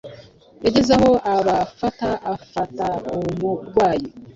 Yageze aho abafataafata umurwanyi